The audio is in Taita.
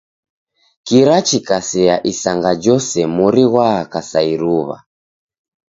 Kira chikasea isanga jose mori ghwaaka sa iruw'a.